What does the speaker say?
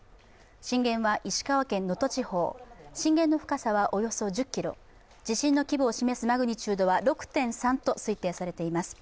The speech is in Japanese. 震源は石川県能登地方、震源の深さはおよそ１０ｋｍ、地震の規模を示すマグニチュードは６．３と観測されています。